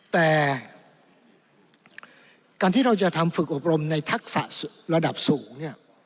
แต่การที่เราจะทำฝึกอบรมในทักษะระดับสูงเนี่ย